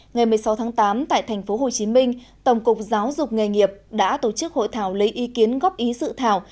ngày một mươi sáu tháng tám tại tp hcm tổng cục giáo dục nghề nghiệp đã tổ chức hội thảo lấy ý kiến góp ý dự thảo